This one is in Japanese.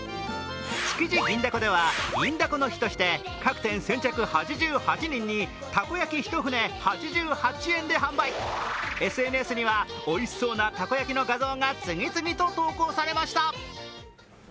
築地銀だこでは銀だこの日として各店先着８８人に、たこ焼き１舟８８円で販売、ＳＮＳにはおいしそうなたこ焼きの画像が次々と投稿されました。